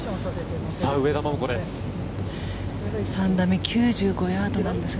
上田桃子です。